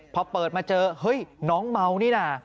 พอเปิดมาเจอเฮ้ยน้องเมานี่น่ะ